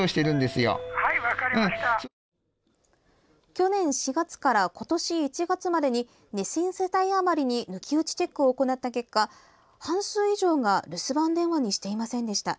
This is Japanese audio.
去年４月から今年１月までに２０００世帯あまりに抜き打ちチェックを行った結果半数以上が留守番電話にしていませんでした。